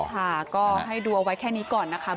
ค่ะก็ให้ดูเอาไว้แค่นี้ก่อนนะคะ